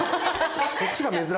そっちが珍しいんだ。